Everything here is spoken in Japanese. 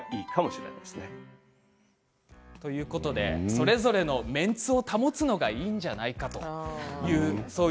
それぞれのメンツを保つのがいいんじゃないかそういう。